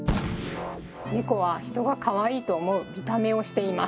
ネコは人がかわいいと思う見た目をしています。